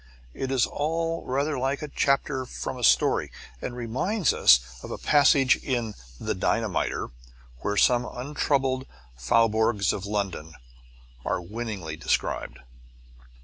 It is all rather like a chapter from a story, and reminds us of a passage in "The Dynamiter" where some untroubled faubourgs of London are winningly described.